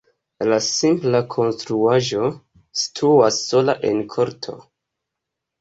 La simpla konstruaĵo situas sola en korto.